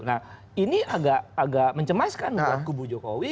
nah ini agak mencemaskan buat kubu jokowi